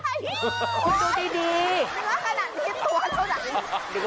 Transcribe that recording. ไม่ค่ะขนาดนี้ตัวเท่านั้น